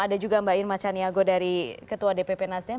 ada juga mbak irma caniago dari ketua dpp nasdem